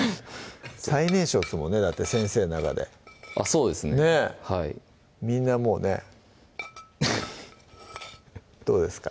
最年少ですもんねだって先生の中であっそうですねねぇみんなもうねどうですか？